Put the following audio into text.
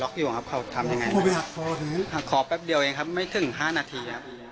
อยู่ครับเขาทำยังไงขอแป๊บเดียวเองครับไม่ถึงห้านาทีครับ